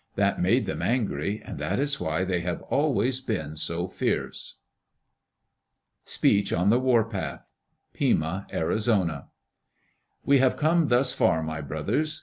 That made them angry, and that is why they have always been so fierce. Speech on the Warpath Pima (Arizona) We have come thus far, my brothers.